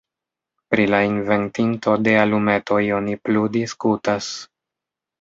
Pri la inventinto de alumetoj oni plu diskutas.